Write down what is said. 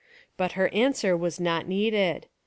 But her answer was not needed.